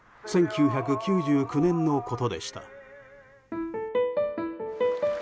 １９９９年のことでした。